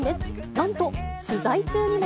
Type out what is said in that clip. なんと、取材中にも。